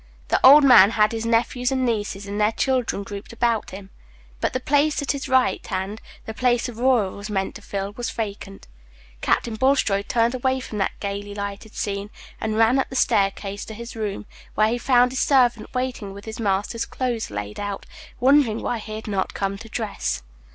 The old man had his nephews and nieces, and their children grouped about him, but the place at his right hand, the place Aurora was meant to fill, was vacant. Captain Bulstrode turned away from that gayly lighted scene and ran up the staircase to his room, where he found his servant waiting with his master's clothes laid out, wondering why he had not come to dress.